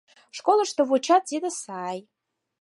Школышко вучат — тиде сай.